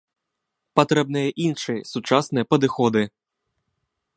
Патрэбныя іншыя сучасныя падыходы.